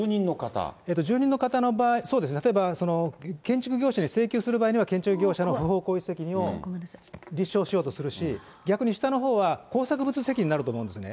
住人の方、そうですね、つまり、例えば、建築業者に請求する場合は、建築業者の不法行為責任を立証しようとするし、逆に下のほうは、工作物責任になると思うんですね。